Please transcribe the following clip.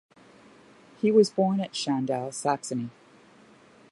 He was born at Schandau, Saxony.